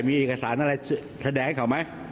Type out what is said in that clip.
มีเอกสารอะไรแสดงให้เขาไหม